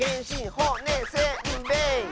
「ほ・ね・せ・ん・べい！」